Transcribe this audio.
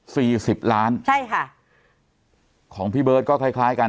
สิบล้านใช่ค่ะของพี่เบิร์ตก็คล้ายคล้ายกัน